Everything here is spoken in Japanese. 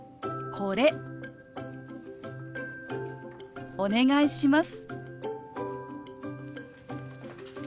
これお願いします。